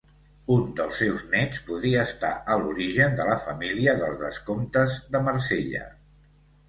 Un dels seus néts podria estar a l'origen de la família dels vescomtes de Marsella.